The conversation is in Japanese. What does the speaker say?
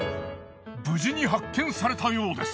無事に発見されたようです。